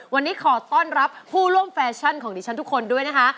วันนี้ขอต้อนรับผู้ร่วมแฟชั่นของดิฉันทุกคนด้วยนะคะ